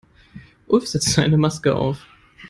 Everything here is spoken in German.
Ulf setzte eine Maske auf.